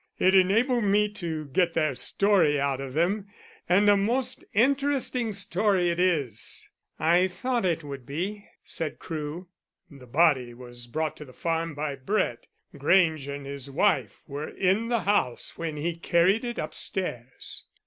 "It enabled me to get their story out of them, and a most interesting story it is." "I thought it would be," said Crewe. "The body was brought to the farm by Brett. Grange and his wife were in the house when he carried it upstairs."